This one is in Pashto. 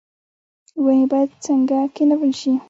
ونې باید څنګه کینول شي؟